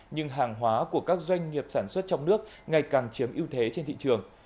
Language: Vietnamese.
nhưng hàng hóa của các doanh nghiệp sản xuất trong nước ngày càng chiếm ưu thế trên thị trường